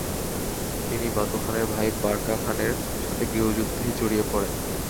তিনি বাতু খানের ভাই বারকা খানের সাথে গৃহযুদ্ধে জড়িয়ে পড়েন।